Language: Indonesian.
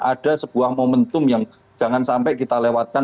ada sebuah momentum yang jangan sampai kita lewatkan